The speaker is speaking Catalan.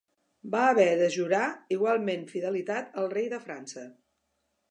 Va haver de jurar igualment fidelitat al rei de França.